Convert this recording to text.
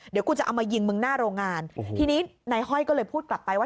เดี๋ยวกูจะเอามายิงมึงหน้าโรงงานทีนี้นายห้อยก็เลยพูดกลับไปว่า